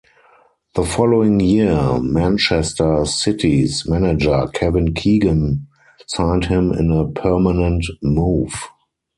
The following year Manchester City's manager Kevin Keegan signed him in a permanent move.